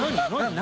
何？